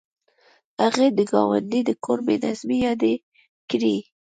هغې د ګاونډي د کور بې نظمۍ یادې کړې